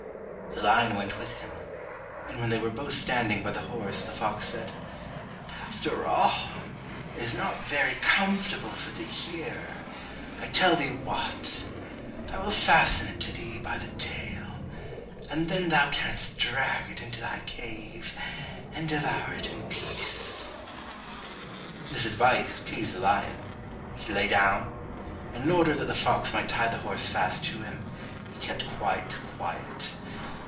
The lion went with him, and when they were both standing by the horse the fox said, "After all, it is not very comfortable for thee here I tell thee what I will fasten it to thee by the tail, and then thou canst drag it into thy cave, and devour it in peace." This advice pleased the lion: he lay down, and in order that the fox might tie the horse fast to him, he kept quite quiet.